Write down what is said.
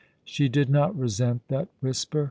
She did not resent that whisper.